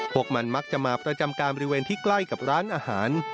พวกมันมักจะมาประจำการบริเวณที่ใกล้กับร้านอาหาร